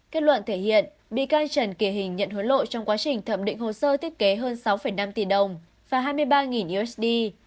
kết luận thể hiện bị can trần kỳ hình nhận hối lộ trong quá trình thẩm định hồ sơ thiết kế hơn sáu năm tỷ đồng và hai mươi ba usd